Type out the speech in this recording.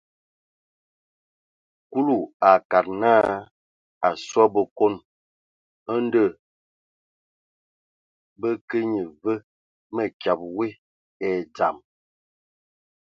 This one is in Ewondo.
Kulu a akad naa, a asɔ a Bǝkon, ndɔ bə kə nye və mǝkyǝbe we e dzam.